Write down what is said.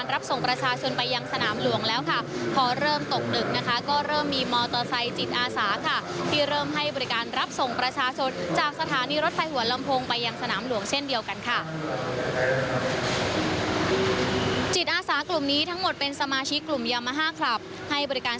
รายงานสดเข้ามาครับ